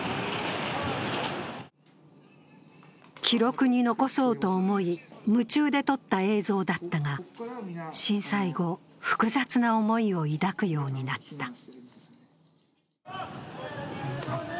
記録に残そうと思い、夢中で撮った映像だったが、震災後、複雑な思いを抱くようになった。